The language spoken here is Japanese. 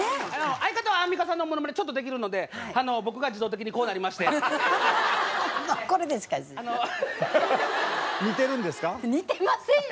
相方はアンミカさんのものまねちょっとできるので僕が自動的にこうなりまして。